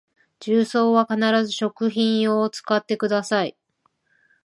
重曹は必ず食品用を使ってください